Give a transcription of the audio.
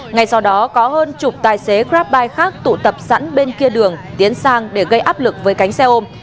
ngay sau đó có hơn chục tài xế grabbuide khác tụ tập sẵn bên kia đường tiến sang để gây áp lực với cánh xe ôm